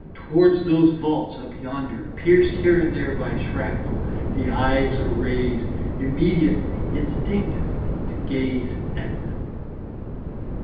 Towards those vaults up yonder, pierced here and there by shrapnel, the eyes are raised, immediately, instinctively, to gaze at them.